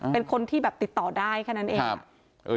เป็นคนที่แบบติดต่อได้แค่นั้นเอง